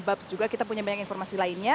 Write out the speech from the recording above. bab juga kita punya banyak informasi lainnya